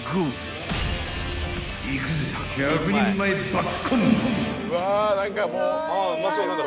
［いくぜ１００人前バッコン！］